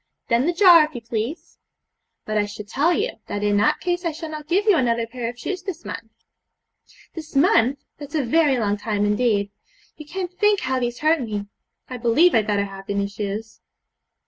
'Then the jar, if you please.' 'But I should tell you, that in that case I shall not give you another pair of shoes this month.' 'This month! that's a very long time indeed! You can't think how these hurt me. I believe I'd better have the new shoes.